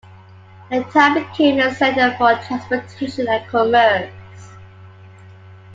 The town became a centre for transportation and commerce.